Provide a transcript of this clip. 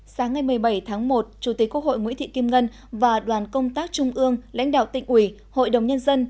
sáng ngày một mươi bảy tháng một chủ tịch quốc hội nguyễn thị kim ngân và đoàn công tác trung ương lãnh đạo tỉnh ủy hội đồng nhân dân